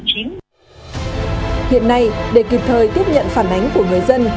hiện nay để kịp thời tiếp nhận phản ánh của người dân